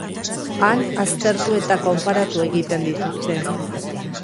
Han aztertu eta konparatu egiten dituzte.